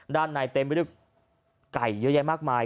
ในเต็มไปด้วยไก่เยอะแยะมากมาย